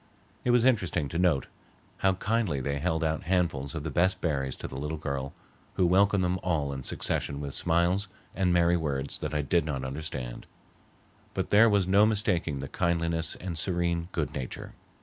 It was interesting to note how kindly they held out handfuls of the best berries to the little girl, who welcomed them all in succession with smiles and merry words that I did not understand. But there was no mistaking the kindliness and serene good nature.